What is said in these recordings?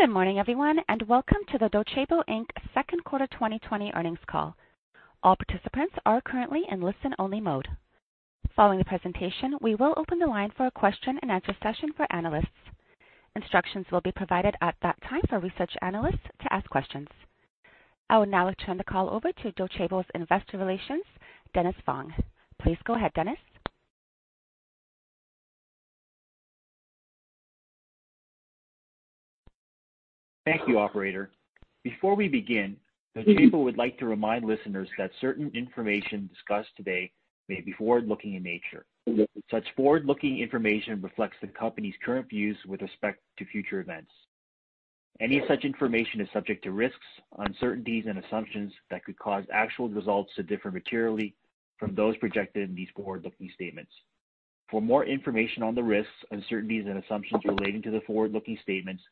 Good morning, everyone, and welcome to the Docebo Inc. second quarter 2020 earnings call. All participants are currently in listen-only mode. Following the presentation, we will open the line for a question-and-answer session for analysts. Instructions will be provided at that time for research analysts to ask questions. I will now turn the call over to Docebo's investor relations, Dennis Fong. Please go ahead, Dennis. Thank you, Operator. Before we begin, Docebo would like to remind listeners that certain information discussed today may be forward-looking in nature. Such forward-looking information reflects the company's current views with respect to future events. Any such information is subject to risks, uncertainties, and assumptions that could cause actual results to differ materially from those projected in these forward-looking statements. For more information on the risks, uncertainties, and assumptions relating to the forward-looking statements,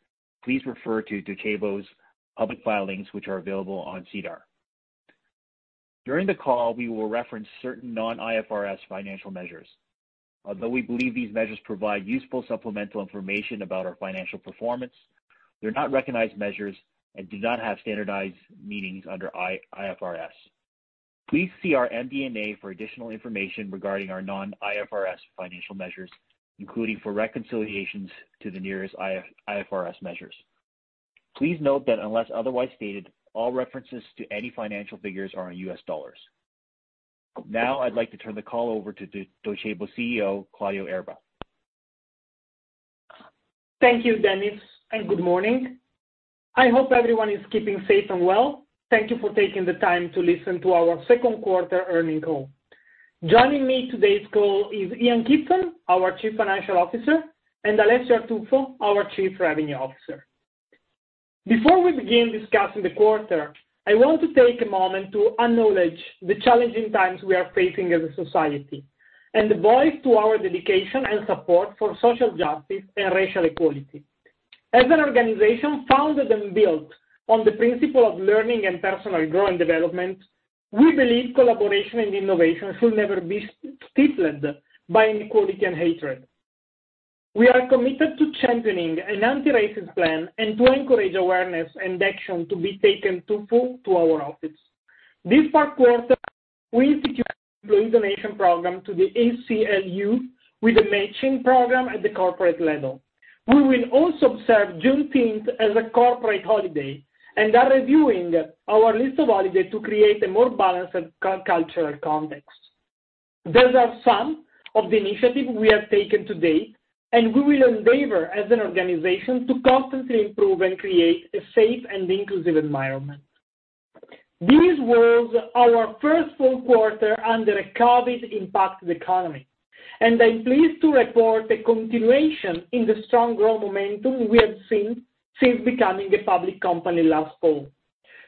please refer to Docebo's public filings, which are available on SEDAR. During the call, we will reference certain non-IFRS financial measures. Although we believe these measures provide useful supplemental information about our financial performance, they're not recognized measures and do not have standardized meanings under IFRS. Please see our MD&A for additional information regarding our non-IFRS financial measures, including for reconciliations to the nearest IFRS measures. Please note that unless otherwise stated, all references to any financial figures are in U.S. dollars. Now, I'd like to turn the call over to Docebo's CEO, Claudio Erba. Thank you, Dennis, and good morning. I hope everyone is keeping safe and well. Thank you for taking the time to listen to our second quarter earnings call. Joining me on today's call is Ian M. Kidson, our Chief Financial Officer, and Alessio Artuffo, our Chief Revenue Officer. Before we begin discussing the quarter, I want to take a moment to acknowledge the challenging times we are facing as a society and to voice our dedication and support for social justice and racial equality. As an organization founded and built on the principle of learning and personal growth and development, we believe collaboration and innovation should never be stifled by inequality and hatred. We are committed to championing an anti-racist plan and to encourage awareness and action to be taken to fulfill our office. This past quarter, we instituted an employee donation program to the ACLU with a matching program at the corporate level. We will also observe Juneteenth as a corporate holiday and are reviewing our list of holidays to create a more balanced cultural context. These are some of the initiatives we have taken to date, and we will endeavor, as an organization, to constantly improve and create a safe and inclusive environment. This was our first full quarter under a COVID-impacted economy, and I'm pleased to report a continuation in the strong growth momentum we have seen since becoming a public company last fall.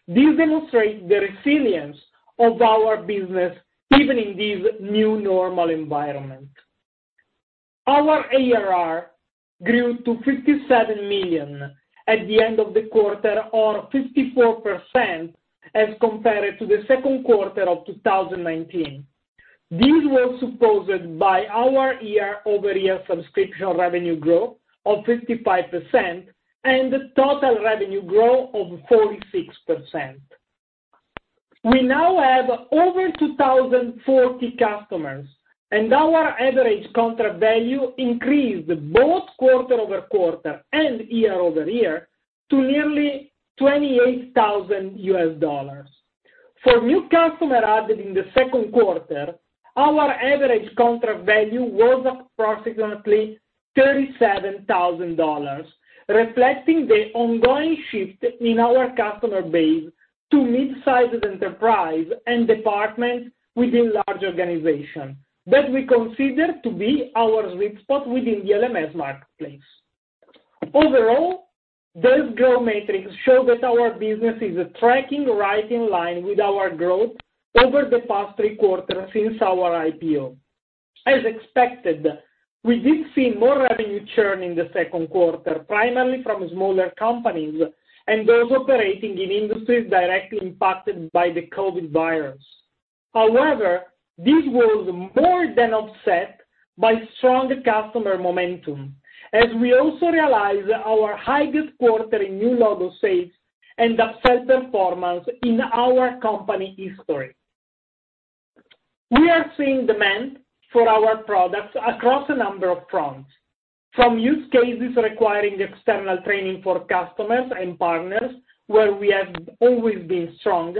This demonstrates the resilience of our business even in this new normal environment. Our ARR grew to 57 million at the end of the quarter, or 54%, as compared to the second quarter of 2019. This was supported by our year-over-year subscription revenue growth of 55% and total revenue growth of 46%. We now have over 2,040 customers, and our average contract value increased both quarter over quarter and year over year to nearly $28,000. For new customers added in the second quarter, our average contract value was approximately $37,000, reflecting the ongoing shift in our customer base to mid-sized enterprises and departments within large organizations that we consider to be our sweet spot within the LMS marketplace. Overall, those growth metrics show that our business is tracking right in line with our growth over the past three quarters since our IPO. As expected, we did see more revenue churn in the second quarter, primarily from smaller companies and those operating in industries directly impacted by the COVID virus. However, this was more than offset by strong customer momentum, as we also realized our highest quarter in new logo sales and upsell performance in our company history. We are seeing demand for our products across a number of fronts, from use cases requiring external training for customers and partners, where we have always been strong,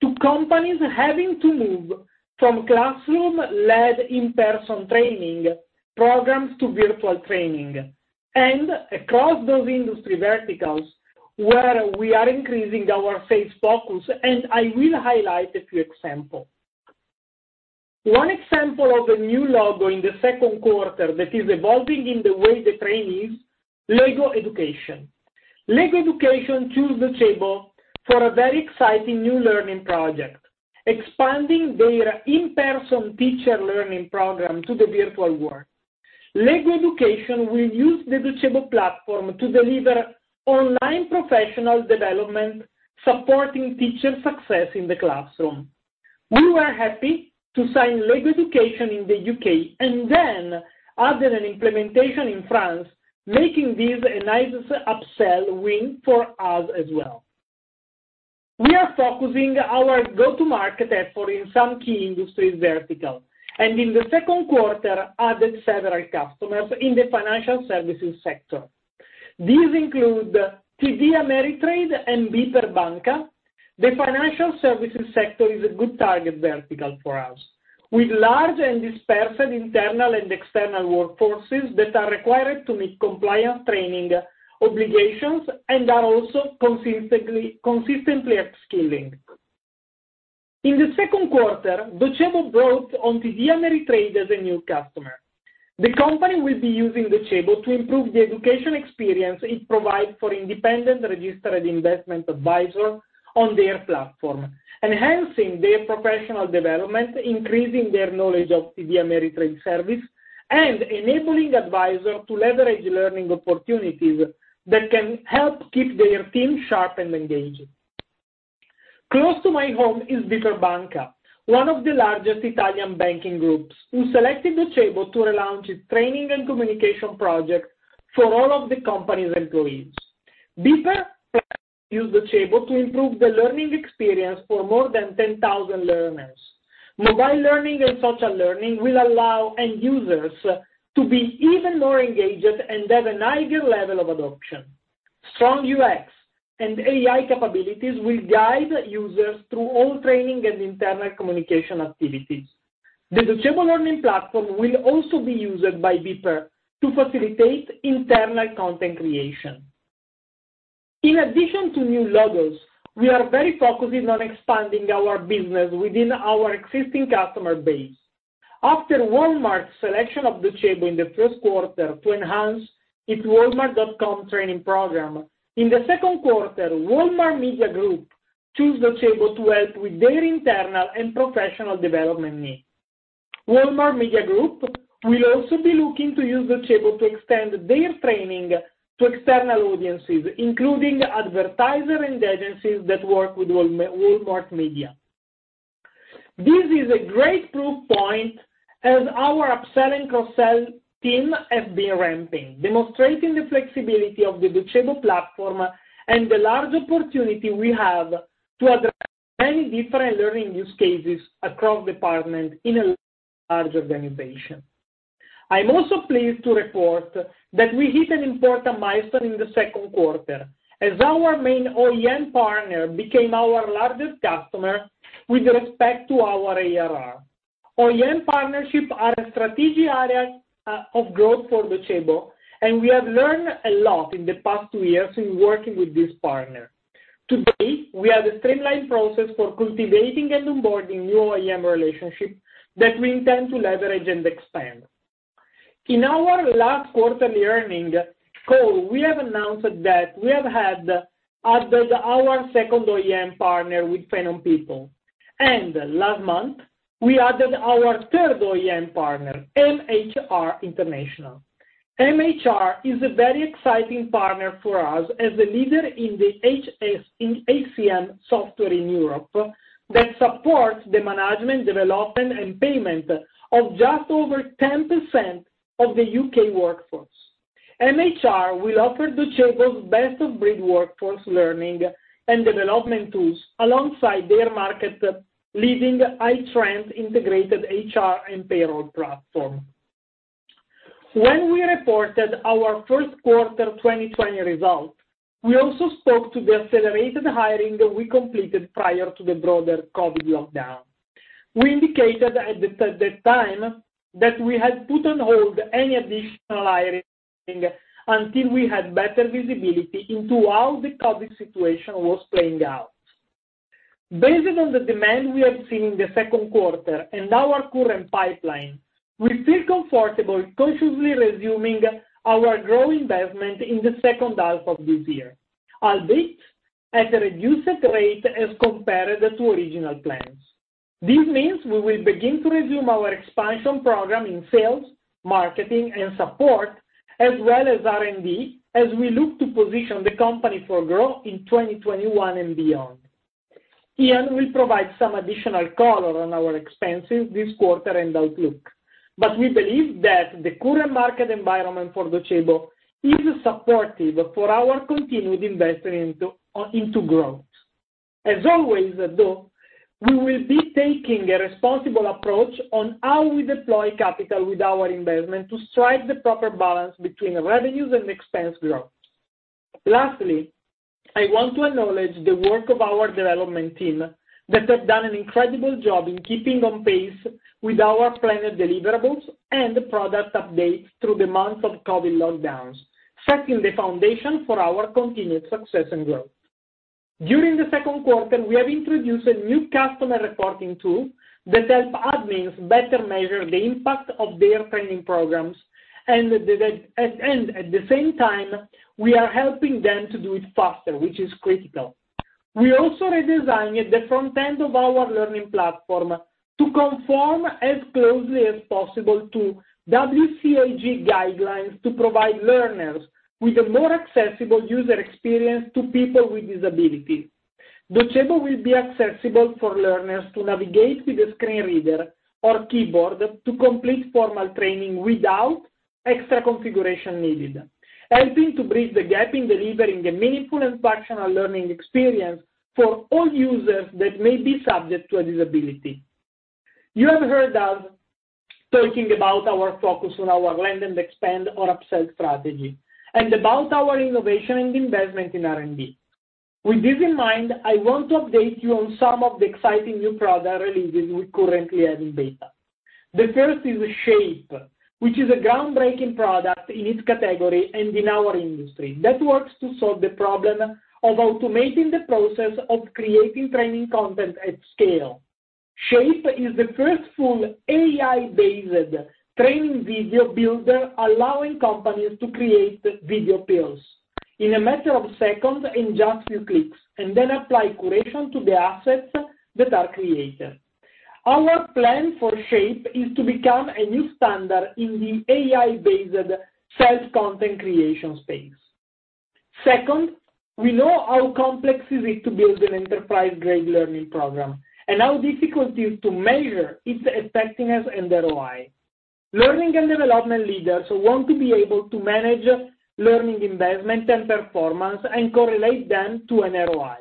to companies having to move from classroom-led in-person training programs to virtual training, and across those industry verticals where we are increasing our sales focus, and I will highlight a few examples. One example of a new logo in the second quarter that is evolving in the way the training is: LEGO Education. LEGO Education chose Docebo for a very exciting new learning project, expanding their in-person teacher learning program to the virtual world. LEGO Education will use the Docebo platform to deliver online professional development, supporting teacher success in the classroom. We were happy to sign LEGO Education in the UK and then added an implementation in France, making this a nice upsell win for us as well. We are focusing our go-to-market effort in some key industry verticals and in the second quarter added several customers in the financial services sector. These include TD Ameritrade and BPER Banca. The financial services sector is a good target vertical for us, with large and dispersed internal and external workforces that are required to meet compliance training obligations and are also consistently upskilling. In the second quarter, Docebo brought on TD Ameritrade as a new customer. The company will be using Docebo to improve the education experience it provides for independent registered investment advisors on their platform, enhancing their professional development, increasing their knowledge of TD Ameritrade service, and enabling advisors to leverage learning opportunities that can help keep their team sharp and engaged. Close to my home is BPER Banca, one of the largest Italian banking groups, who selected Docebo to relaunch its training and communication projects for all of the company's employees. BPER plans to use Docebo to improve the learning experience for more than 10,000 learners. Mobile learning and social learning will allow end users to be even more engaged and have a higher level of adoption. Strong UX and AI capabilities will guide users through all training and internal communication activities. The Docebo learning platform will also be used by BPER to facilitate internal content creation. In addition to new logos, we are very focused on expanding our business within our existing customer base. After Walmart's selection of Docebo in the first quarter to enhance its Walmart.com training program, in the second quarter, Walmart Media Group chose Docebo to help with their internal and professional development needs. Walmart Media Group will also be looking to use Docebo to extend their training to external audiences, including advertisers and agencies that work with Walmart Media. This is a great proof point as our upsell and cross-sell team has been ramping, demonstrating the flexibility of the Docebo platform and the large opportunity we have to address many different learning use cases across departments in a large organization. I'm also pleased to report that we hit an important milestone in the second quarter as our main OEM partner became our largest customer with respect to our ARR. OEM partnerships are a strategic area of growth for Docebo, and we have learned a lot in the past two years in working with this partner. Today, we have a streamlined process for cultivating and onboarding new OEM relationships that we intend to leverage and expand. In our last quarterly earnings call, we have announced that we have added our second OEM partner with Phenom People, and last month, we added our third OEM partner, MHR International. MHR is a very exciting partner for us as a leader in the HCM software in Europe that supports the management, development, and payment of just over 10% of the U.K. workforce. MHR will offer Docebo's best-of-breed workforce learning and development tools alongside their market-leading iTrent integrated HR and payroll platform. When we reported our first quarter 2020 results, we also spoke to the accelerated hiring we completed prior to the broader COVID lockdown. We indicated at that time that we had put on hold any additional hiring until we had better visibility into how the COVID situation was playing out. Based on the demand we have seen in the second quarter and our current pipeline, we feel comfortable consciously resuming our growing investment in the second half of this year, albeit at a reduced rate as compared to original plans. This means we will begin to resume our expansion program in sales, marketing, and support, as well as R&D, as we look to position the company for growth in 2021 and beyond. Ian will provide some additional color on our expenses this quarter and outlook, but we believe that the current market environment for Docebo is supportive for our continued investment into growth. As always, though, we will be taking a responsible approach on how we deploy capital with our investment to strike the proper balance between revenues and expense growth. Lastly, I want to acknowledge the work of our development team that has done an incredible job in keeping on pace with our planned deliverables and product updates through the months of COVID lockdowns, setting the foundation for our continued success and growth. During the second quarter, we have introduced a new customer reporting tool that helps admins better measure the impact of their training programs, and at the same time, we are helping them to do it faster, which is critical. We also redesigned the front end of our learning platform to conform as closely as possible to WCAG guidelines to provide learners with a more accessible user experience to people with disabilities. Docebo will be accessible for learners to navigate with a screen reader or keyboard to complete formal training without extra configuration needed, helping to bridge the gap in delivering a meaningful and functional learning experience for all users that may be subject to a disability. You have heard us talking about our focus on our land and expand or upsell strategy and about our innovation and investment in R&D. With this in mind, I want to update you on some of the exciting new product releases we currently have in beta. The first is Shape, which is a groundbreaking product in its category and in our industry that works to solve the problem of automating the process of creating training content at scale. Shape is the first full AI-based training video builder allowing companies to create video pills in a matter of seconds and just a few clicks, and then apply curation to the assets that are created. Our plan for Shape is to become a new standard in the AI-based self-content creation space. Second, we know how complex it is to build an enterprise-grade learning program and how difficult it is to measure its effectiveness and ROI. Learning and development leaders want to be able to manage learning investment and performance and correlate them to an ROI.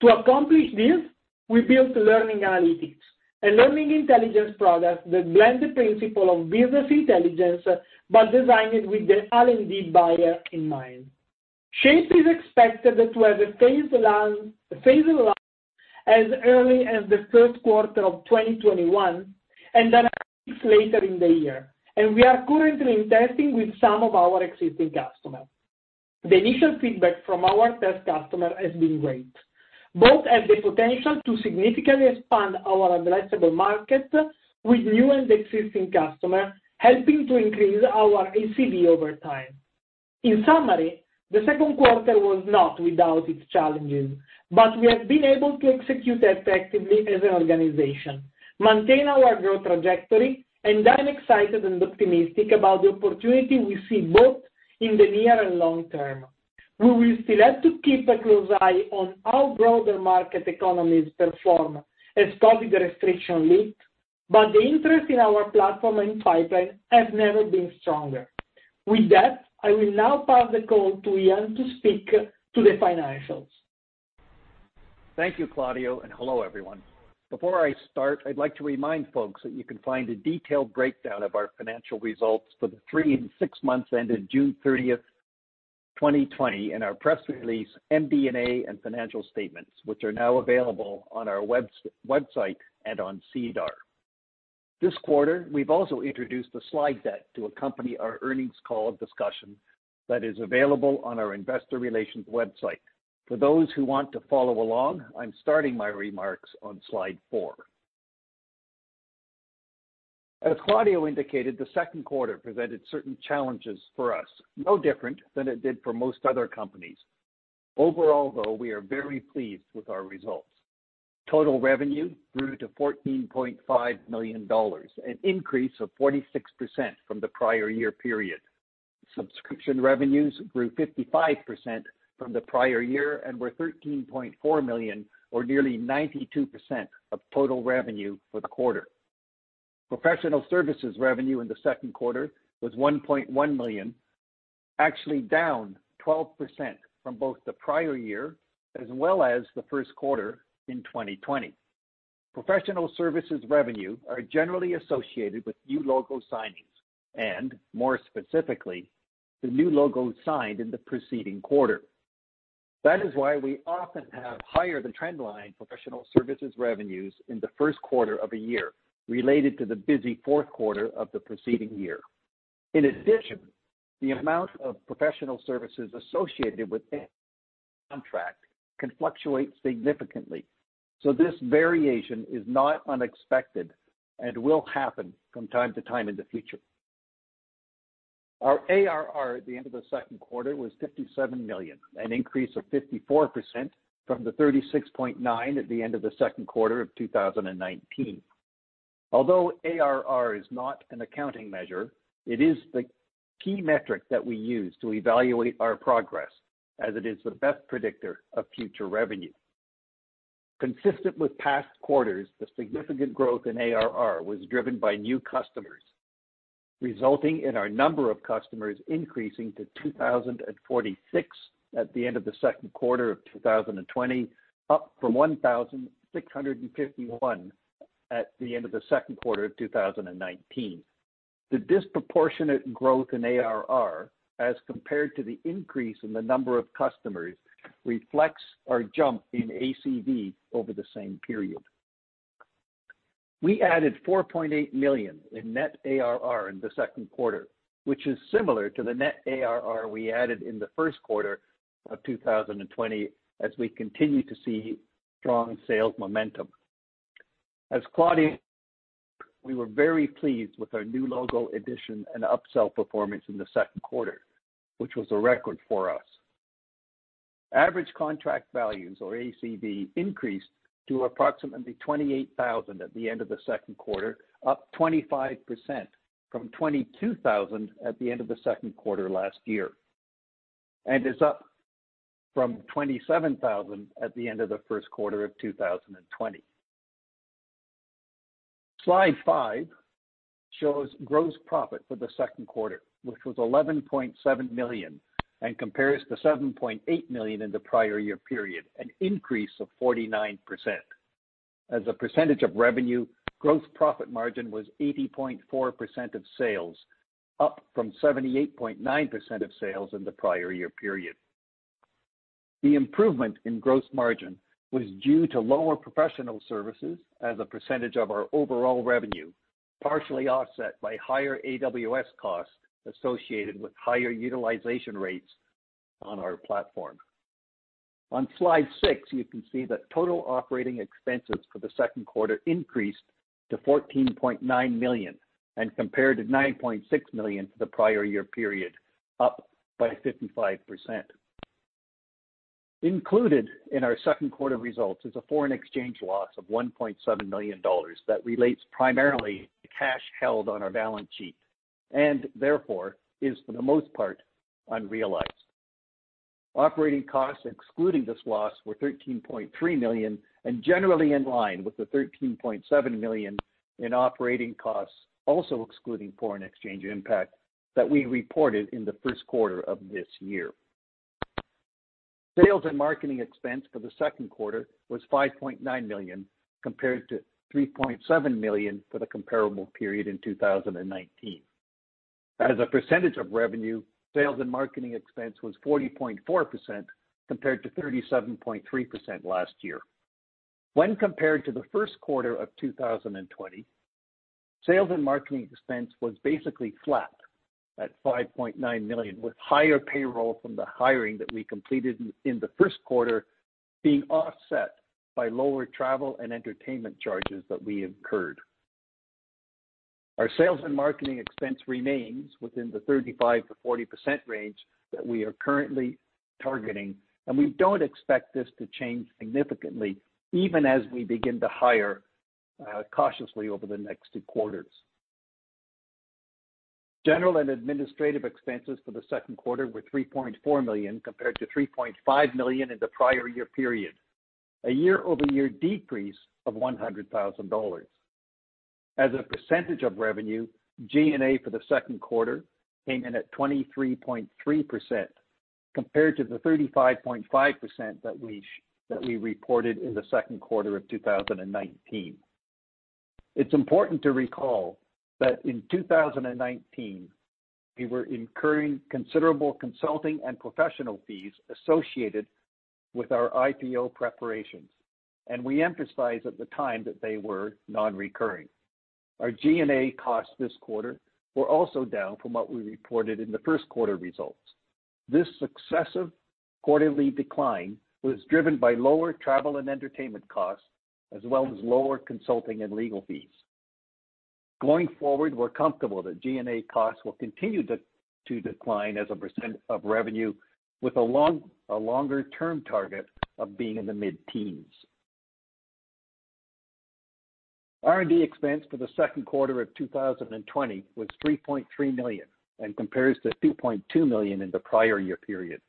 To accomplish this, we built Learning Analytics, a learning intelligence product that blends the principle of business intelligence but designed with the L&D buyer in mind. Shape is expected to have a phase of launch as early as the first quarter of 2021 and then a few weeks later in the year, and we are currently in testing with some of our existing customers. The initial feedback from our test customers has been great, both as the potential to significantly expand our addressable market with new and existing customers, helping to increase our ACV over time. In summary, the second quarter was not without its challenges, but we have been able to execute effectively as an organization, maintain our growth trajectory, and I'm excited and optimistic about the opportunity we see both in the near and long term. We will still have to keep a close eye on how broader market economies perform as COVID restrictions lead, but the interest in our platform and pipeline has never been stronger. With that, I will now pass the call to Ian to speak to the financials. Thank you, Claudio, and hello, everyone. Before I start, I'd like to remind folks that you can find a detailed breakdown of our financial results for the three and six months ended June 30, 2020, in our press release, MD&A and financial statements, which are now available on our website and on SEDAR. This quarter, we've also introduced a slide deck to accompany our earnings call discussion that is available on our investor relations website. For those who want to follow along, I'm starting my remarks on slide four. As Claudio indicated, the second quarter presented certain challenges for us, no different than it did for most other companies. Overall, though, we are very pleased with our results. Total revenue grew to $14.5 million, an increase of 46% from the prior year period. Subscription revenues grew 55% from the prior year and were $13.4 million, or nearly 92% of total revenue for the quarter. Professional services revenue in the second quarter was $1.1 million, actually down 12% from both the prior year as well as the first quarter in 2020. Professional services revenues are generally associated with new logo signings and, more specifically, the new logo signed in the preceding quarter. That is why we often have higher-than-trendline professional services revenues in the first quarter of a year related to the busy fourth quarter of the preceding year. In addition, the amount of professional services associated with any contract can fluctuate significantly, so this variation is not unexpected and will happen from time to time in the future. Our ARR at the end of the second quarter was $57 million, an increase of 54% from the $36.9 million at the end of the second quarter of 2019. Although ARR is not an accounting measure, it is the key metric that we use to evaluate our progress, as it is the best predictor of future revenue. Consistent with past quarters, the significant growth in ARR was driven by new customers, resulting in our number of customers increasing to 2,046 at the end of the second quarter of 2020, up from 1,651 at the end of the second quarter of 2019. The disproportionate growth in ARR, as compared to the increase in the number of customers, reflects our jump in ACV over the same period. We added $4.8 million in net ARR in the second quarter, which is similar to the net ARR we added in the first quarter of 2020 as we continue to see strong sales momentum. As Claudio explained, we were very pleased with our new logo addition and upsell performance in the second quarter, which was a record for us. Average contract values, or ACV, increased to approximately $28,000 at the end of the second quarter, up 25% from $22,000 at the end of the second quarter last year, and is up from $27,000 at the end of the first quarter of 2020. Slide five shows gross profit for the second quarter, which was $11.7 million and compares to $7.8 million in the prior year period, an increase of 49%. As a percentage of revenue, gross profit margin was 80.4% of sales, up from 78.9% of sales in the prior year period. The improvement in gross margin was due to lower professional services as a percentage of our overall revenue, partially offset by higher AWS costs associated with higher utilization rates on our platform. On slide six, you can see that total operating expenses for the second quarter increased to $14.9 million and compared to $9.6 million for the prior year period, up by 55%. Included in our second quarter results is a foreign exchange loss of $1.7 million that relates primarily to cash held on our balance sheet and therefore is, for the most part, unrealized. Operating costs excluding this loss were $13.3 million and generally in line with the $13.7 million in operating costs, also excluding foreign exchange impact, that we reported in the first quarter of this year. Sales and marketing expense for the second quarter was $5.9 million compared to $3.7 million for the comparable period in 2019. As a percentage of revenue, sales and marketing expense was 40.4% compared to 37.3% last year. When compared to the first quarter of 2020, sales and marketing expense was basically flat at $5.9 million, with higher payroll from the hiring that we completed in the first quarter being offset by lower travel and entertainment charges that we incurred. Our sales and marketing expense remains within the 35%-40% range that we are currently targeting, and we don't expect this to change significantly even as we begin to hire cautiously over the next two quarters. General and administrative expenses for the second quarter were $3.4 million compared to $3.5 million in the prior year period, a year-over-year decrease of $100,000. As a percentage of revenue, G&A for the second quarter came in at 23.3% compared to the 35.5% that we reported in the second quarter of 2019. It's important to recall that in 2019, we were incurring considerable consulting and professional fees associated with our IPO preparations, and we emphasized at the time that they were non-recurring. Our G&A costs this quarter were also down from what we reported in the first quarter results. This successive quarterly decline was driven by lower travel and entertainment costs, as well as lower consulting and legal fees. Going forward, we're comfortable that G&A costs will continue to decline as a percent of revenue, with a longer-term target of being in the mid-teens. R&D expense for the second quarter of 2020 was $3.3 million and compares to $2.2 million in the prior year period.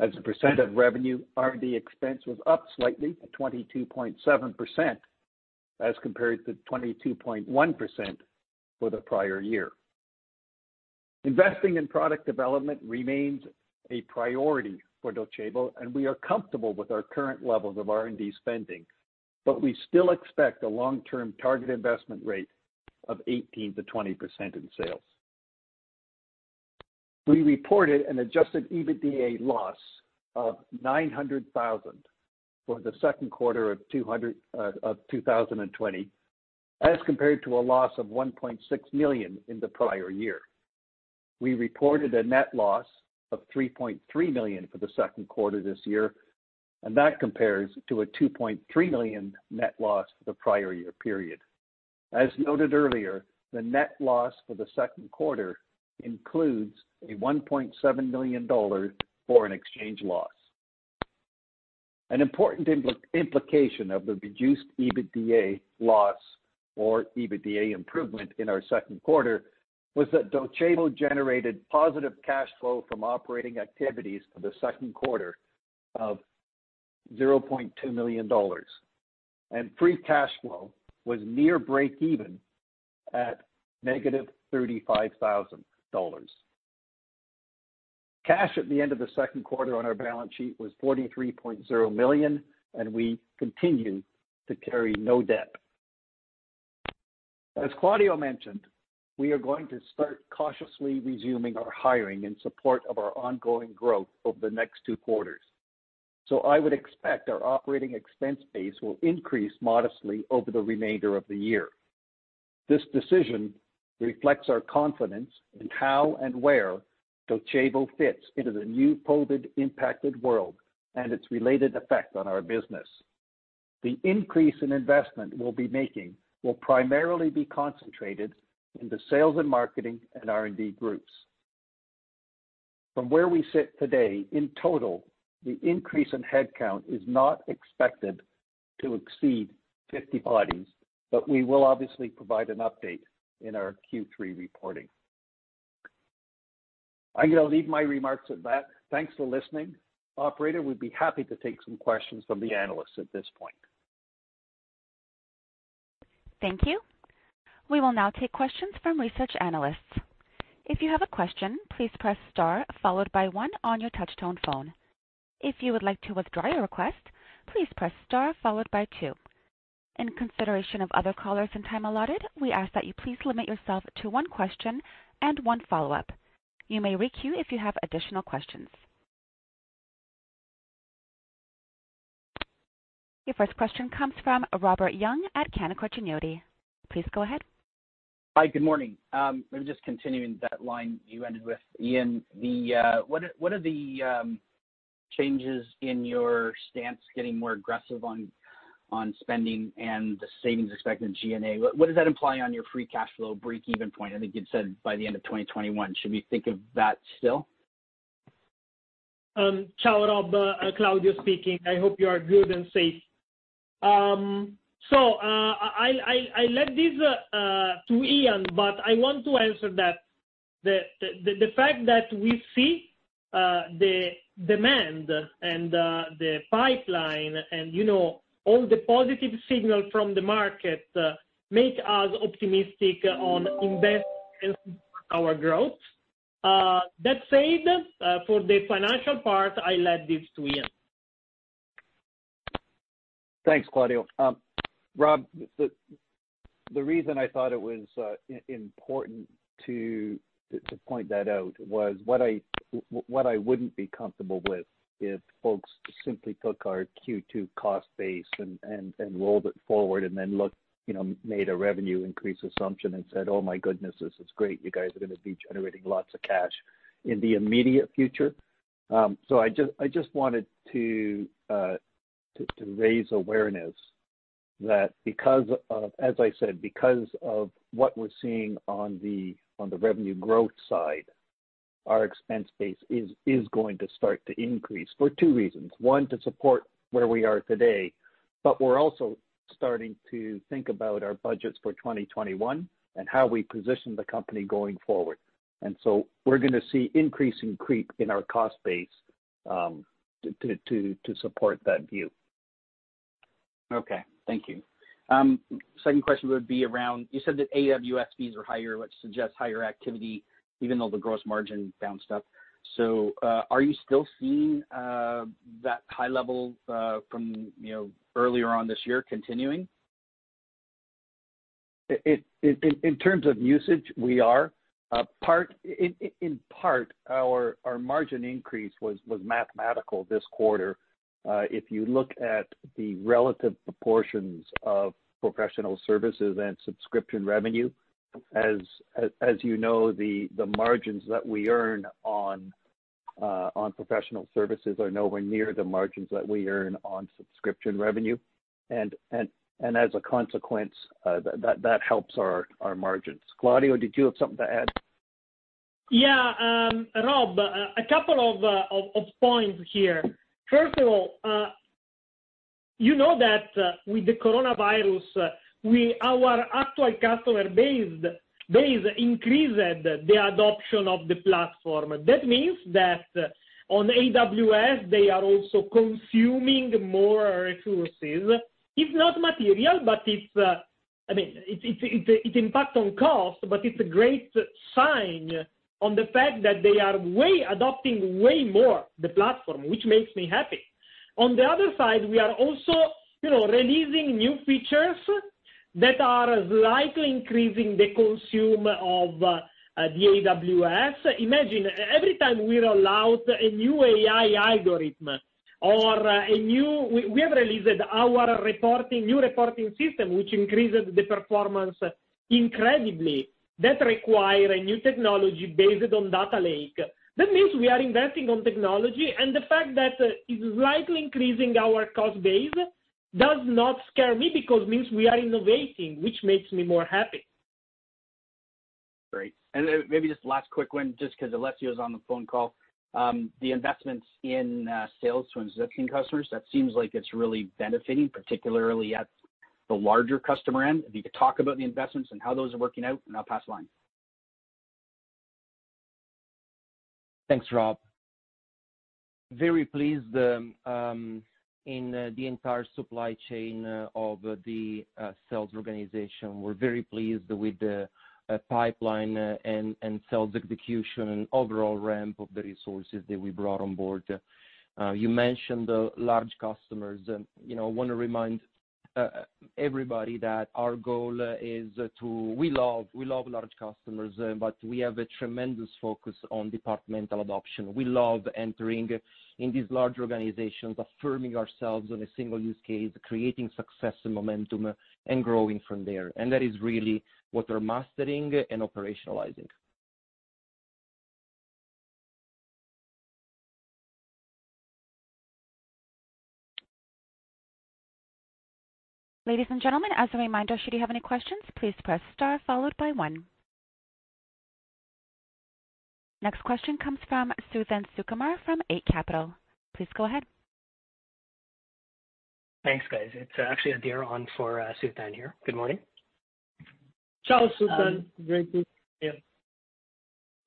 As a percent of revenue, R&D expense was up slightly to 22.7% as compared to 22.1% for the prior year. Investing in product development remains a priority for Docebo, and we are comfortable with our current levels of R&D spending, but we still expect a long-term target investment rate of 18%-20% in sales. We reported an adjusted EBITDA loss of $900,000 for the second quarter of 2020 as compared to a loss of $1.6 million in the prior year. We reported a net loss of $3.3 million for the second quarter this year, and that compares to a $2.3 million net loss for the prior year period. As noted earlier, the net loss for the second quarter includes a $1.7 million foreign exchange loss. An important implication of the reduced EBITDA loss, or EBITDA improvement, in our second quarter was that Docebo generated positive cash flow from operating activities for the second quarter of $0.2 million, and free cash flow was near break-even at -$35,000. Cash at the end of the second quarter on our balance sheet was $43.0 million, and we continue to carry no debt. As Claudio mentioned, we are going to start cautiously resuming our hiring in support of our ongoing growth over the next two quarters, so I would expect our operating expense base will increase modestly over the remainder of the year. This decision reflects our confidence in how and where Docebo fits into the new COVID-impacted world and its related effect on our business. The increase in investment we'll be making will primarily be concentrated in the sales and marketing and R&D groups. From where we sit today, in total, the increase in headcount is not expected to exceed 50 bodies. But we will obviously provide an update in our Q3 reporting. I'm going to leave my remarks at that. Thanks for listening. Operator would be happy to take some questions from the analysts at this point. Thank you. We will now take questions from research analysts. If you have a question, please press star followed by one on your touchtone phone. If you would like to withdraw your request, please press star followed by two. In consideration of other callers and time allotted, we ask that you please limit yourself to one question and one follow-up. You may re-queue if you have additional questions. Your first question comes from Robert Young at Canaccord Genuity. Please go ahead. Hi, good morning. Maybe just continuing that line you ended with, Ian. What are the changes in your stance, getting more aggressive on spending and the savings expected in G&A? What does that imply on your free cash flow break-even point? I think you'd said by the end of 2021. Should we think of that still? Ciao Rob, Claudio speaking. I hope you are good and safe. So I'll let this to Ian, but I want to answer that. The fact that we see the demand and the pipeline and all the positive signals from the market make us optimistic on investing in our growth. That said, for the financial part, I'll let this to Ian. Thanks, Claudio. Rob, the reason I thought it was important to point that out was what I wouldn't be comfortable with if folks simply took our Q2 cost base and rolled it forward and then made a revenue increase assumption and said, "Oh my goodness, this is great. You guys are going to be generating lots of cash in the immediate future." So I just wanted to raise awareness that, as I said, because of what we're seeing on the revenue growth side, our expense base is going to start to increase for two reasons. One, to support where we are today, but we're also starting to think about our budgets for 2021 and how we position the company going forward. And so we're going to see increasing creep in our cost base to support that view. Okay. Thank you. Second question would be around you said that AWS fees were higher, which suggests higher activity even though the gross margin bounced up. So are you still seeing that high level from earlier on this year continuing? In terms of usage, we are. In part, our margin increase was mathematical this quarter. If you look at the relative proportions of professional services and subscription revenue, as you know, the margins that we earn on professional services are nowhere near the margins that we earn on subscription revenue. And as a consequence, that helps our margins. Claudio, did you have something to add? Yeah. Rob, a couple of points here. First of all, you know that with the coronavirus, our actual customer base increased the adoption of the platform. That means that on AWS, they are also consuming more resources. It's not material, but it's, I mean, it impacts on cost, but it's a great sign of the fact that they are adopting way more the platform, which makes me happy. On the other side, we are also releasing new features that are slightly increasing the consumption of the AWS. Imagine every time we roll out a new AI algorithm or a new, we have released our new reporting system, which increases the performance incredibly. That requires a new technology based on data lake. That means we are investing in technology, and the fact that it's slightly increasing our cost base does not scare me because it means we are innovating, which makes me more happy. Great. And maybe just last quick one, just because Alessio is on the phone call. The investments in sales to existing customers, that seems like it's really benefiting, particularly at the larger customer end. If you could talk about the investments and how those are working out, and I'll pass the line. Thanks, Rob. Very pleased with the entire supply chain of the sales organization. We're very pleased with the pipeline and sales execution and overall ramp of the resources that we brought on board. You mentioned large customers. I want to remind everybody that our goal is to, we love large customers, but we have a tremendous focus on departmental adoption. We love entering in these large organizations, affirming ourselves on a single use case, creating success and momentum, and growing from there. And that is really what we're mastering and operationalizing. Ladies and gentlemen, as a reminder, should you have any questions, please press star followed by one. Next question comes from Suthan Sukumar from Eight Capital. Please go ahead. Thanks, guys. It's actually Adhir for Suthan here. Good morning. Ciao, Suthan. Great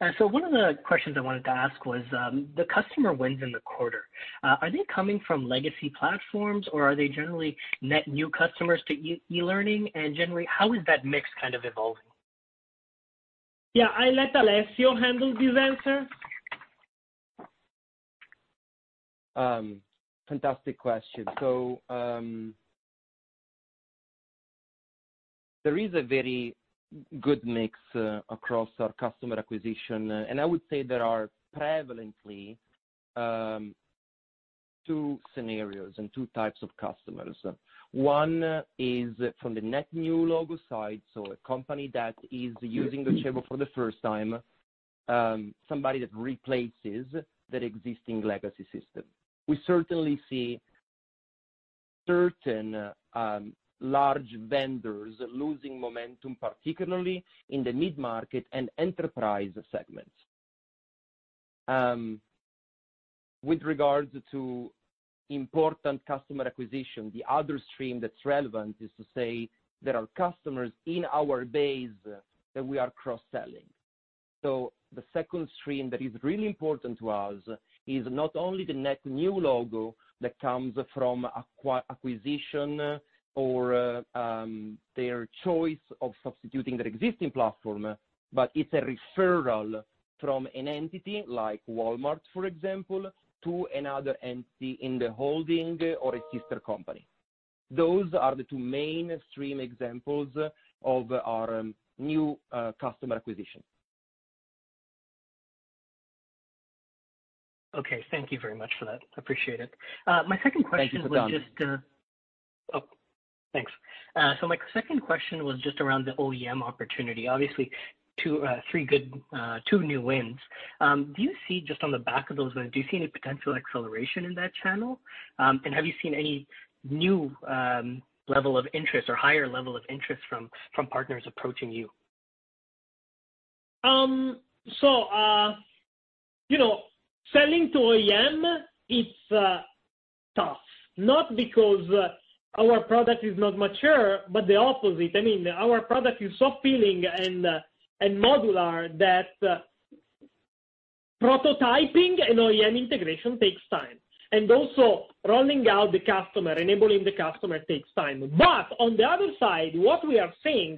to see you. So one of the questions I wanted to ask was, the customer wins in the quarter. Are they coming from legacy platforms, or are they generally net new customers to e-learning? And generally, how is that mix kind of evolving? Yeah. I'll let Alessio handle this answer. Fantastic question. So there is a very good mix across our customer acquisition, and I would say there are prevalently two scenarios and two types of customers. One is from the net new logo side, so a company that is using Docebo for the first time, somebody that replaces their existing legacy system. We certainly see certain large vendors losing momentum, particularly in the mid-market and enterprise segments. With regards to important customer acquisition, the other stream that's relevant is to say there are customers in our base that we are cross-selling. So the second stream that is really important to us is not only the net new logo that comes from acquisition or their choice of substituting their existing platform, but it's a referral from an entity like Walmart, for example, to another entity in the holding or a sister company. Those are the two main stream examples of our new customer acquisition. Okay. Thank you very much for that. I appreciate it. My second question was just. Oh, thanks. So my second question was just around the OEM opportunity. Obviously, two new wins. Do you see just on the back of those wins, do you see any potential acceleration in that channel? And have you seen any new level of interest or higher level of interest from partners approaching you? So selling to OEM, it's tough. Not because our product is not mature, but the opposite. I mean, our product is so appealing and modular that prototyping and OEM integration takes time, and also, rolling out the customer, enabling the customer, takes time, but on the other side, what we are seeing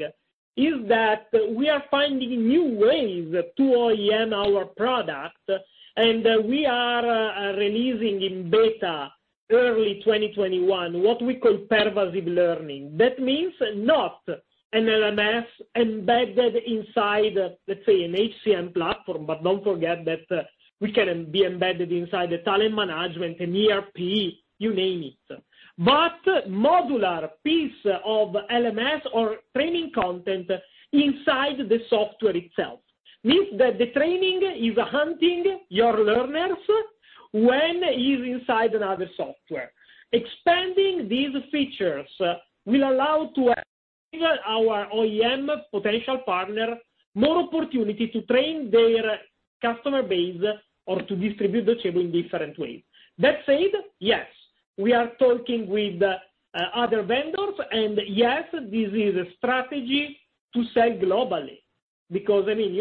is that we are finding new ways to OEM our product, and we are releasing in beta, early 2021, what we call pervasive learning. That means not an LMS embedded inside, let's say, an HCM platform, but don't forget that we can be embedded inside the talent management, an ERP, you name it, but modular piece of LMS or training content inside the software itself means that the training is hunting your learners when it is inside another software. Expanding these features will allow our OEM potential partner more opportunity to train their customer base or to distribute Docebo in different ways. That said, yes, we are talking with other vendors, and yes, this is a strategy to sell globally because, I mean,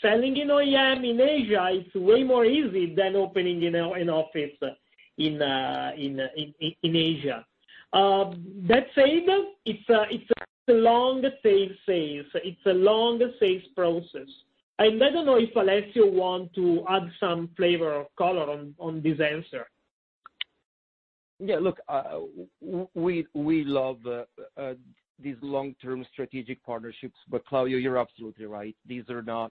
selling in OEM in Asia, it's way more easy than opening an office in Asia. That said, it's a long-tail sales. It's a long-sales process. And I don't know if Alessio wants to add some flavor or color on this answer. Yeah. Look, we love these long-term strategic partnerships, but Claudio, you're absolutely right. These are not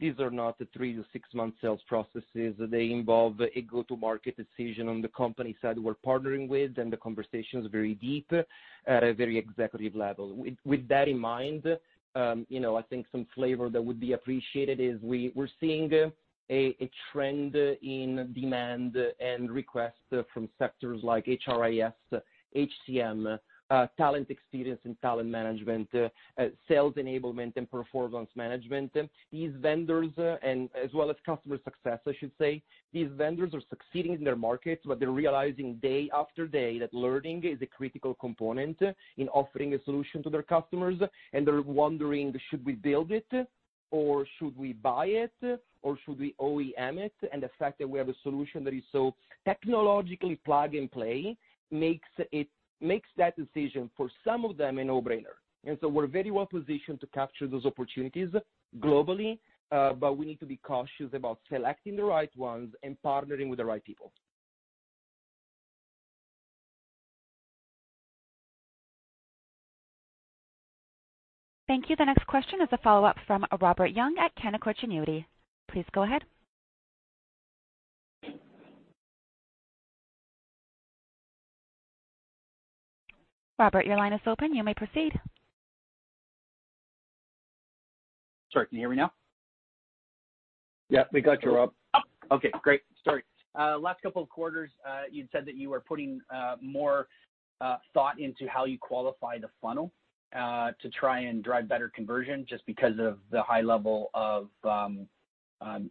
the three- to six-month sales processes. They involve a go-to-market decision on the company side we're partnering with, and the conversation is very deep, very executive level. With that in mind, I think some flavor that would be appreciated is we're seeing a trend in demand and request from sectors like HRIS, HCM, talent experience and talent management, sales enablement, and performance management. These vendors, as well as customer success, I should say, these vendors are succeeding in their markets, but they're realizing day after day that learning is a critical component in offering a solution to their customers. And they're wondering, "Should we build it, or should we buy it, or should we OEM it?" And the fact that we have a solution that is so technologically plug-and-play makes that decision for some of them a no-brainer. And so we're very well positioned to capture those opportunities globally, but we need to be cautious about selecting the right ones and partnering with the right people. Thank you. The next question is a follow-up from Robert Young at Canaccord Genuity. Please go ahead. Robert, your line is open. You may proceed. Sorry. Can you hear me now? Yeah. We got you, Rob. Okay. Great. Sorry. Last couple of quarters, you'd said that you were putting more thought into how you qualify the funnel to try and drive better conversion just because of the high level of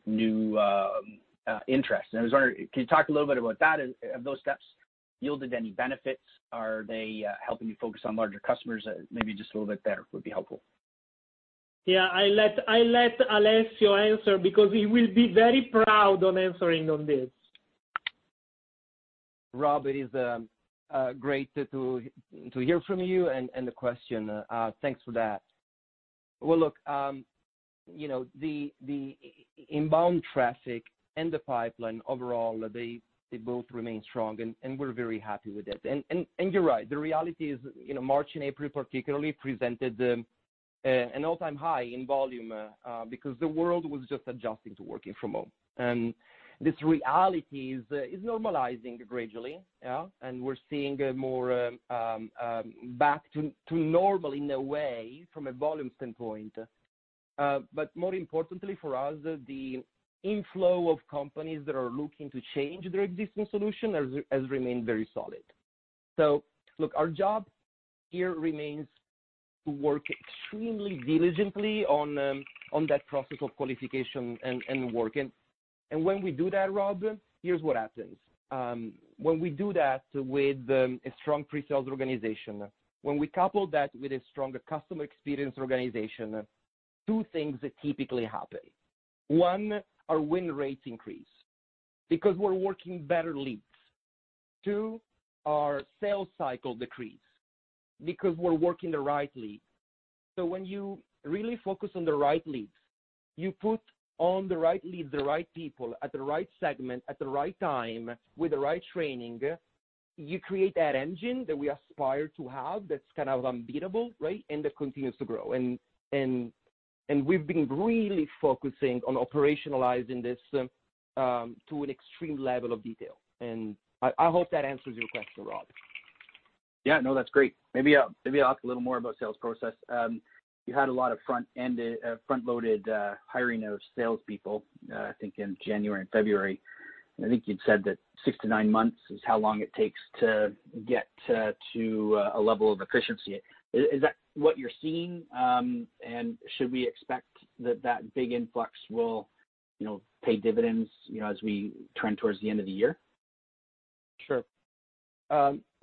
new interest. And I was wondering, can you talk a little bit about that? Have those steps yielded any benefits? Are they helping you focus on larger customers? Maybe just a little bit better would be helpful. Yeah. I'll let Alessio answer because he will be very proud of answering on this. Rob, it is great to hear from you and the question. Thanks for that. Well, look, the inbound traffic and the pipeline overall, they both remain strong, and we're very happy with it. And you're right. The reality is March and April particularly presented an all-time high in volume because the world was just adjusting to working from home. And this reality is normalizing gradually, and we're seeing more back to normal in a way from a volume standpoint. But more importantly for us, the inflow of companies that are looking to change their existing solution has remained very solid. So look, our job here remains to work extremely diligently on that process of qualification and work. And when we do that, Rob, here's what happens. When we do that with a strong pre-sales organization, when we couple that with a stronger customer experience organization, two things typically happen. One, our win rates increase because we're working better leads. Two, our sales cycle decreases because we're working the right leads. So when you really focus on the right leads, you put on the right leads, the right people at the right segment, at the right time with the right training, you create that engine that we aspire to have that's kind of unbeatable, right, and that continues to grow. And we've been really focusing on operationalizing this to an extreme level of detail. And I hope that answers your question, Rob. Yeah. No, that's great. Maybe I'll ask a little more about sales process. You had a lot of front-loaded hiring of salespeople, I think, in January and February. And I think you'd said that six to nine months is how long it takes to get to a level of efficiency. Is that what you're seeing? And should we expect that that big influx will pay dividends as we trend towards the end of the year? Sure.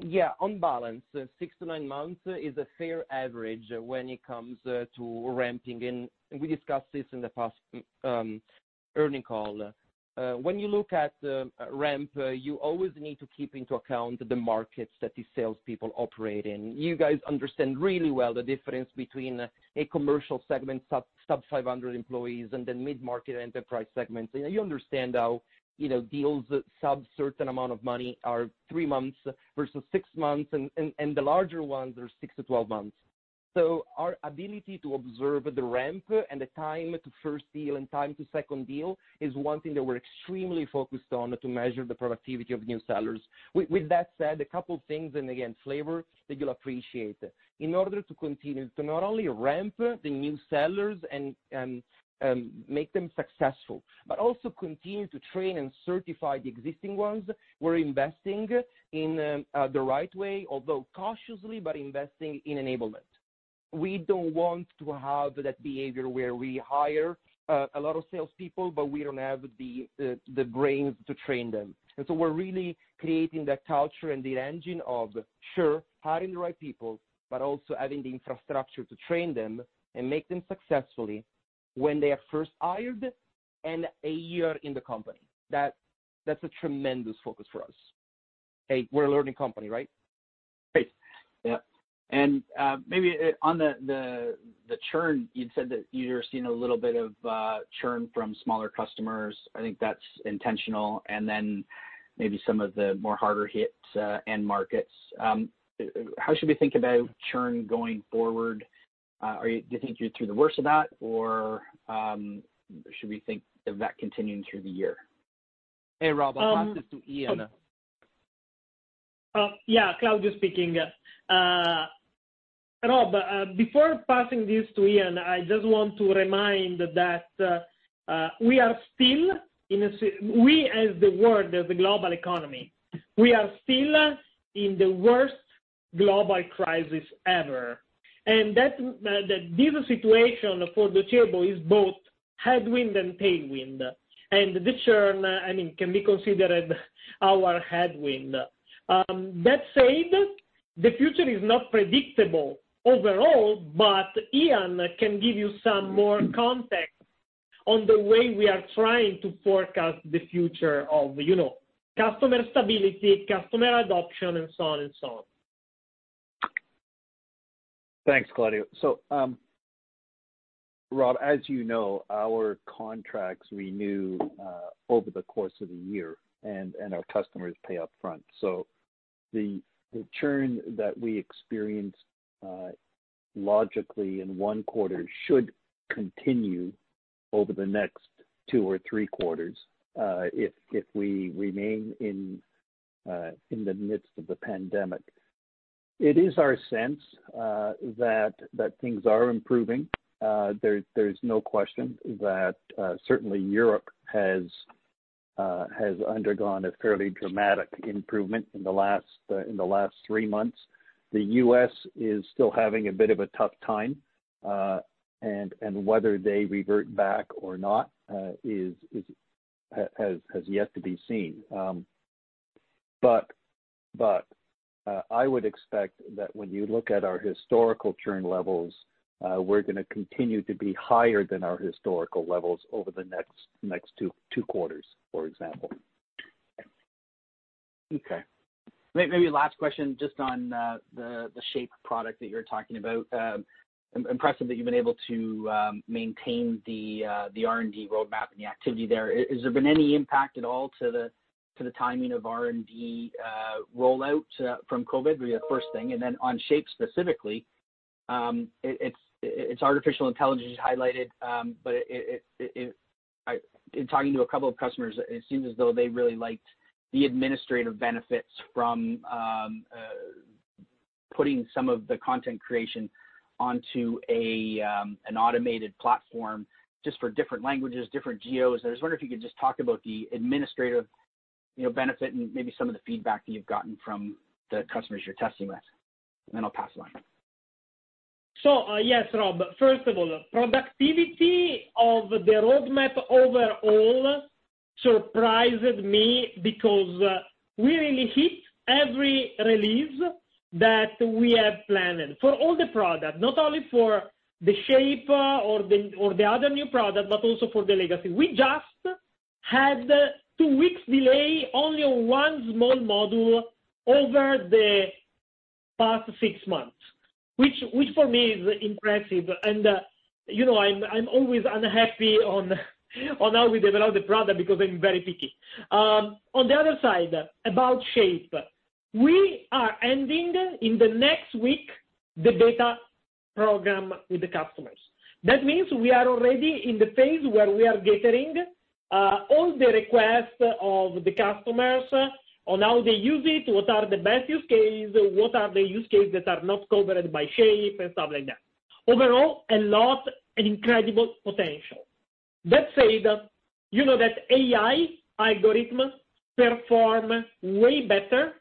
Yeah. On balance, six to nine months is a fair average when it comes to ramping. And we discussed this in the past earnings call. When you look at ramp, you always need to keep into account the markets that these salespeople operate in. You guys understand really well the difference between a commercial segment, sub-500 employees, and then mid-market enterprise segments. And you understand how deals sub a certain amount of money are three months versus six months, and the larger ones are six to 12 months. So our ability to observe the ramp and the time to first deal and time to second deal is one thing that we're extremely focused on to measure the productivity of new sellers. With that said, a couple of things, and again, flavor that you'll appreciate. In order to continue to not only ramp the new sellers and make them successful, but also continue to train and certify the existing ones, we're investing in the right way, although cautiously, but investing in enablement. We don't want to have that behavior where we hire a lot of salespeople, but we don't have the brains to train them. And so we're really creating that culture and the engine of, sure, hiring the right people, but also having the infrastructure to train them and make them successfully when they are first hired and a year in the company. That's a tremendous focus for us. Hey, we're a learning company, right? Great. Yeah. And maybe on the churn, you'd said that you're seeing a little bit of churn from smaller customers. I think that's intentional. And then maybe some of the more harder-hit end markets. How should we think about churn going forward? Do you think you're through the worst of that, or should we think of that continuing through the year? Hey, Rob, I'll pass this to Ian. Yeah. Claudio speaking. Rob, before passing this to Ian, I just want to remind that we are still in, as the world, as the global economy, we are still in the worst global crisis ever and this situation for Docebo is both headwind and tailwind and the churn, I mean, can be considered our headwind. That said, the future is not predictable overall, but Ian can give you some more context on the way we are trying to forecast the future of customer stability, customer adoption, and so on and so on. Thanks, Claudio. So Rob, as you know, our contracts renew over the course of the year, and our customers pay upfront. So the churn that we experience logically in one quarter should continue over the next two or three quarters if we remain in the midst of the pandemic. It is our sense that things are improving. There's no question that certainly Europe has undergone a fairly dramatic improvement in the last three months. The U.S. is still having a bit of a tough time, and whether they revert back or not has yet to be seen. But I would expect that when you look at our historical churn levels, we're going to continue to be higher than our historical levels over the next two quarters, for example. Okay. Maybe last question just on the Shape product that you were talking about. Impressive that you've been able to maintain the R&D roadmap and the activity there. Has there been any impact at all to the timing of R&D rollout from COVID? Maybe the first thing, and then on Shape specifically, it's artificial intelligence you highlighted, but in talking to a couple of customers, it seems as though they really liked the administrative benefits from putting some of the content creation onto an automated platform just for different languages, different geos. I just wonder if you could just talk about the administrative benefit and maybe some of the feedback that you've gotten from the customers you're testing with. And then I'll pass it on, So yes, Rob. First of all, productivity of the roadmap overall surprised me because we really hit every release that we have planned for all the products, not only for the Shape or the other new product, but also for the legacy. We just had two weeks' delay only on one small module over the past six months, which for me is impressive. I'm always unhappy on how we develop the product because I'm very picky. On the other side, about Shape, we are ending in the next week the beta program with the customers. That means we are already in the phase where we are gathering all the requests of the customers on how they use it, what are the best use cases, what are the use cases that are not covered by Shape, and stuff like that. Overall, a lot and incredible potential. That said, that AI algorithms perform way better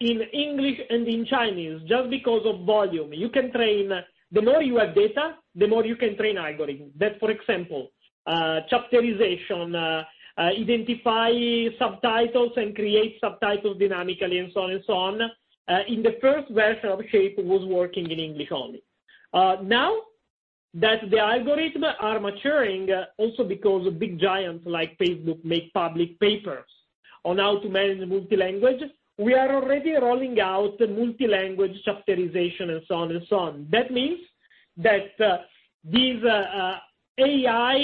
in English and in Chinese just because of volume. You can train the more you have data, the more you can train algorithms. For example, chapterization, identify subtitles and create subtitles dynamically, and so on and so on. In the first version, Shape was working in English only. Now that the algorithms are maturing, also because big giants like Facebook make public papers on how to manage multi-language, we are already rolling out multi-language chapterization and so on and so on. That means that these AI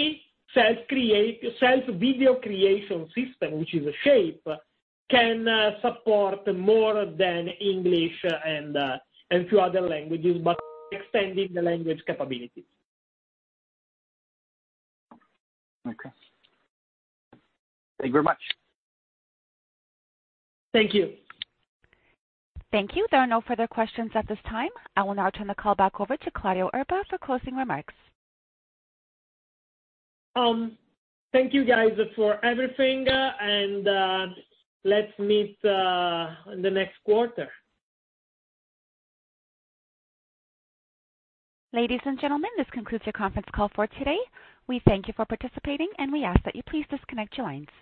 self-video creation systems, which is a Shape, can support more than English and a few other languages, but extending the language capabilities. Okay. Thank you very much. Thank you. Thank you. There are no further questions at this time. I will now turn the call back over to Claudio Erba for closing remarks. Thank you, guys, for everything, and let's meet in the next quarter. Ladies and gentlemen, this concludes the conference call for today. We thank you for participating, and we ask that you please disconnect your lines.